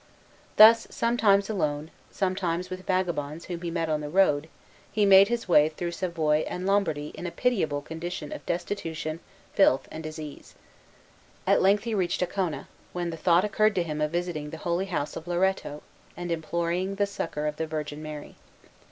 Thus, sometimes alone, sometimes with vagabonds whom he met on the road, he made his way through Savoy and Lombardy in a pitiable condition of destitution, filth, and disease. At length he reached Ancona, when the thought occured to him of visiting the Holy House of Loretto, and imploring the succor of the Virgin Mary.